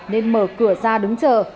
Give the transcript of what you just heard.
nên mở cửa ra đứng chờ